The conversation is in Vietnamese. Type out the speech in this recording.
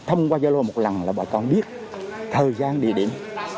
thông qua giao lô một lần là bọn con biết thời gian địa điểm